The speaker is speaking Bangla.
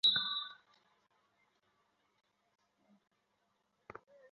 স্বামীজী বলিতেন দেশ-কাল-পাত্র-ভেদে মানসিক ভাব ও অনুভবের অনেক তারতম্য হয়।